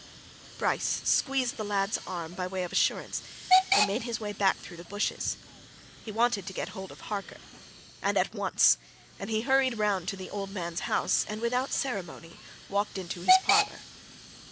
Bryce squeezed the lad's arm by way of assurance and made his way back through the bushes. He wanted to get hold of Harker, and at once, and he hurried round to the old man's house and without ceremony walked into his parlour.